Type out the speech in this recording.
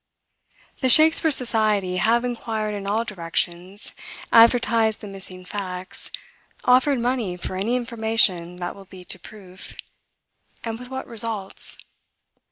The Shakspeare Society have inquired in all directions, advertised the missing facts, offered money for any information that will lead to proof; and with what results?